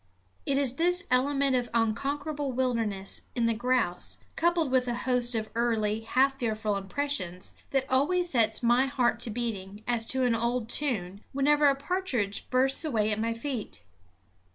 It is this element of unconquerable wildness in the grouse, coupled with a host of early, half fearful impressions, that always sets my heart to beating, as to an old tune, whenever a partridge bursts away at my feet.